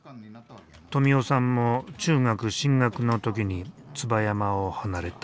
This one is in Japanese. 富男さんも中学進学の時に椿山を離れた。